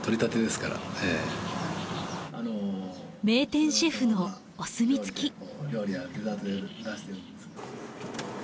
名店シェフのお墨付き。